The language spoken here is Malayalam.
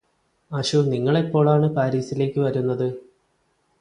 അശു നിങ്ങളെപ്പോളാണ് പാരിസിലേക്ക് വരുന്നത്